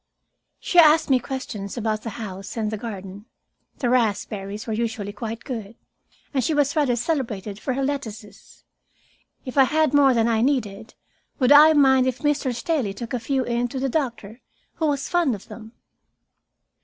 She asked me questions about the house and the garden. The raspberries were usually quite good, and she was rather celebrated for her lettuces. If I had more than I needed, would I mind if Mr. Staley took a few in to the doctor, who was fond of them.